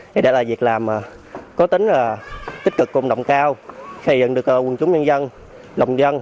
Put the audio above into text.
đây đã là việc làm có tính tích cực cùng động cao xây dựng được quần chúng nhân dân lòng dân